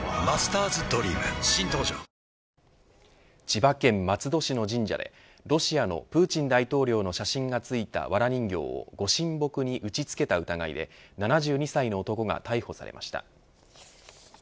千葉県松戸市の神社でロシアのプーチン大統領の写真がついたわら人形をご神木に打ちつけた疑いで７２歳の男が逮捕されました。